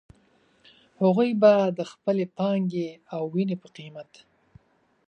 هغوی به د خپلې پانګې او وينې په قيمت.